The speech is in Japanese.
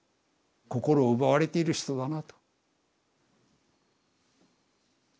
「心を奪われている人だな」と。